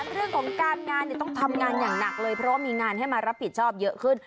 เรื่องของการงานต้องทำงานอย่างหนักเลยเพราะว่ามีงานให้มารับผิดชอบเยอะขึ้น